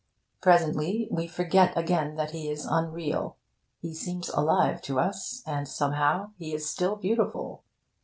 Presently, we forget again that he is unreal. He seems alive to us, and somehow he is still beautiful.